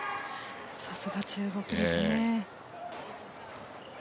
さすが中国ですね。